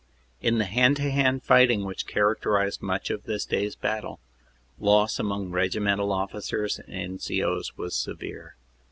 In the hand to hand fighting which characterized much of this day s battle, loss among regimental officers and N.C.O s was severe.